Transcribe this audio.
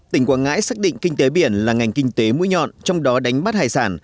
tỉnh quảng ngãi xác định kinh tế biển là ngành kinh tế mũi nhọn trong đó đánh bắt hải sản